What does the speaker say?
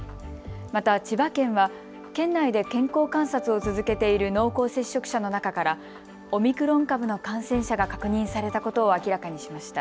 また、千葉県は県内で健康観察を続けている濃厚接触者の中からオミクロン株の感染者が確認されたことを明らかにしました。